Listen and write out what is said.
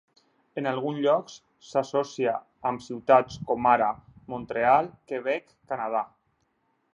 En alguns llocs s'associa amb ciutats com ara Mont-real, Quebec, Canadà.